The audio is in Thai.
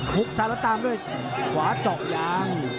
คุกซันและตามด้วยขวาเจาะยาง